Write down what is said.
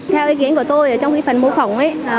theo ý kiến của tôi trong cái phần mô phỏng ấy